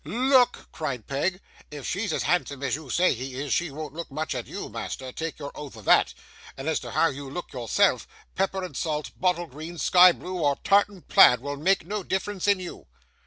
'Look?' cried Peg. 'If she's as handsome as you say she is, she won't look much at you, master, take your oath of that; and as to how you look yourself pepper and salt, bottle green, sky blue, or tartan plaid will make no difference in you.